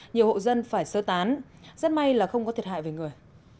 nhiều hộ dân phải sơ tán rất may là không có thiệt hại về người